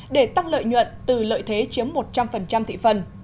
để tăng lợi nhuận từ lợi thế chiếm một trăm linh thị phần